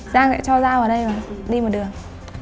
giang sẽ cho dao vào đây và đi một đường